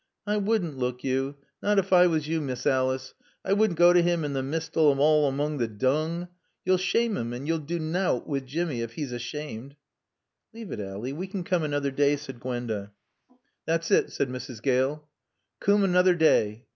"I wouldn', look yo, nat ef I wuss yo, Miss Olice. I wouldn' gaw to 'im in t' mistal all amoong t' doong. Yo'll sha ame 'im, and yo'll do nowt wi' Jimmy ef 'e's sha amed." "Leave it, Ally. We can come another day," said Gwenda. "Thot's it," said Mrs. Gale. "Coom another daay."